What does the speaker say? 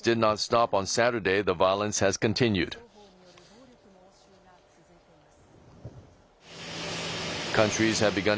双方による暴力の応酬が続いています。